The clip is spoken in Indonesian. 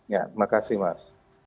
ya terima kasih mas